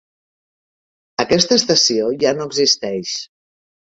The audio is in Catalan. Aquesta estació ja no existeix.